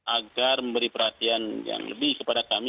agar memberi perhatian yang lebih kepada kami